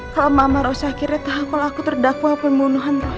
kalau mama ros akhirnya tahu kalau aku terdakwa pembunuhan